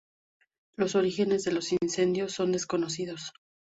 Los orígenes de los incendios son desconocidos.